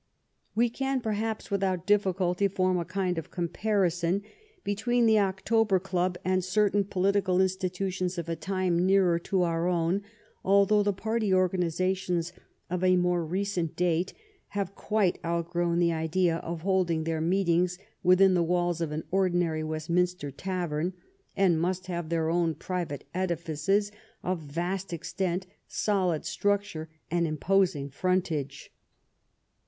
We can, perhaps, without difficulty, form a kind of comparison between the October Club and certain po litical institutions of a time nearer to our own, although the party organizations of a more recent date have quite outgrown the idea of holding their meetings within the walls of an ordinary Westminster tavern, and must have their own private edifices of vast ex tent, solid structure, and imposing frontage.